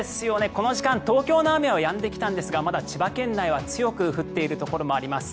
この時間、東京の雨はやんできたんですがまだ千葉県内は強く降っているところもあります。